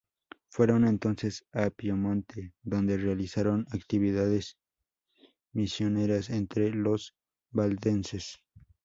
Fueron entonces a Piamonte, donde realizaron actividades misioneras entre los valdenses.